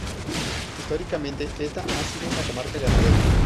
Históricamente esta ha sido una comarca ganadera.